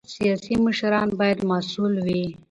سیاسي مشران باید مسؤل وي